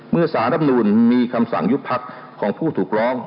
เมื่อสารรับนูลมีคำสั่งยุบพักของผู้ถูกร้อง